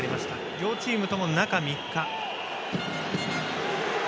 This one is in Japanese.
両チームとも、中３日。